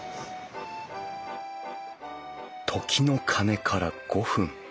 時の鐘から５分。